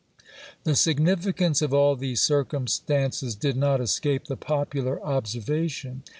The significance of all these circumstances did not escape the popular observation.